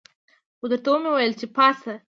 خو درته ومې ویل چې پاڅه.